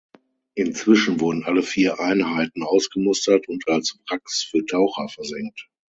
Inzwischen wurden alle vier Einheiten ausgemustert und als Wracks für Taucher versenkt.